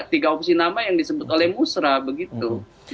tiga opsi nama yang disebut oleh musra begitu